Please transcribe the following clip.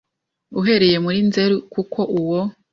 uhereye muri Nzeri kuko uwo